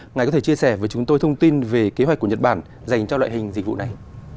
ngài có thể chia sẻ với chúng tôi thông tin về kế hoạch của nhật bản dành cho loại hình dịch vụ này